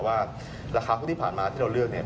ว่าราคาพวกที่ผ่านมาที่เราเลือกเนี่ย